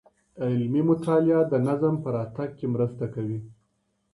علمي مطالعه د نظم په راتګ کي مرسته کوي.